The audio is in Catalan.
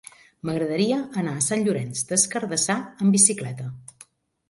M'agradaria anar a Sant Llorenç des Cardassar amb bicicleta.